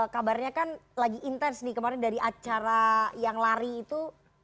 kabarnya kan lagi intens nih kemarin dari acara yang lari itu